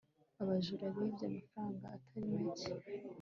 abajura bibye amafaranga atari macye